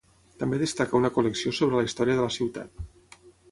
També destaca una col·lecció sobre la història de la ciutat.